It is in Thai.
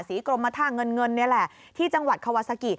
กรมท่าเงินเงินนี่แหละที่จังหวัดคาวาซากิ